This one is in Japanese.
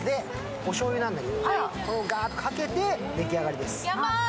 おしょうゆなんだけど、ガーッとかけて出来上がりです。